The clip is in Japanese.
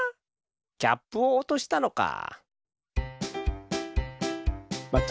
キャップをおとしたのか。